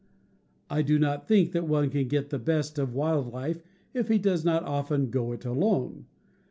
I do not think that one can get the best of wild life if he does not often "go it alone."